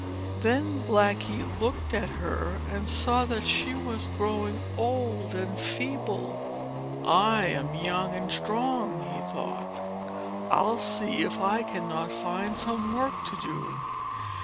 Then Blackie looked at her and saw that she was growing old and feeble. "I am young and strong," he thought. "I '11 see if I cannot find some work to do.